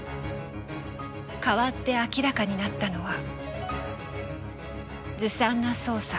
かわって明らかになったのはずさんな捜査。